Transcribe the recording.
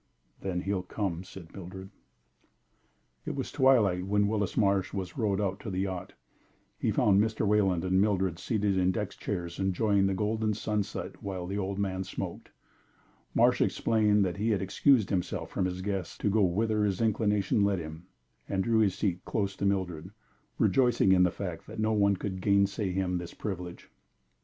"Then he'll come," said Mildred. It was twilight when Willis Marsh was rowed out to the yacht. He found Mr. Wayland and Mildred seated in deck chairs enjoying the golden sunset while the old man smoked. Marsh explained that he had excused himself from his guests to go whither his inclination led him, and drew his seat close to Mildred, rejoicing in the fact that no one could gainsay him this privilege.